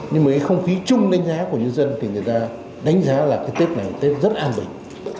nhưng mà cái không khí chung đánh giá của nhân dân thì người ta đánh giá là cái tết này tết rất an bình